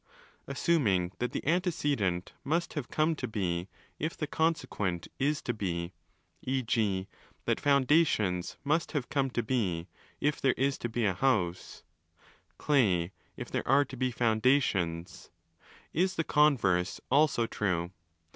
Assuming that the antecedent must have come to be if the consequent is to be (e.g. that foundations must have come to be if there is to be a house: clay, if there are to be foundations), is the converse also true?